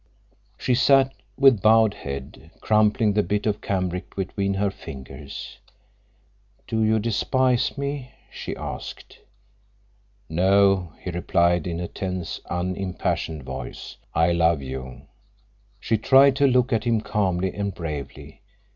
She sat with bowed head, crumpling the bit of cambric between her fingers. "Do you despise me?" she asked. "No," he replied in a tense, unimpassioned voice. "I love you." She tried to look at him calmly and bravely.